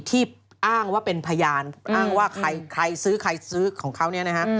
ที่อ้างว่าเป็นพยานอ้างว่าใครซื้อใครซื้อของเขาเนี่ยนะฮะ